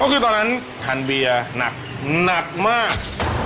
พวกคุณตอนนั้นทานเบียร์หนัดหนัดมาก